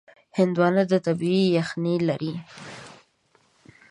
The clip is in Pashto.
هندوانه طبیعي یخنۍ لري.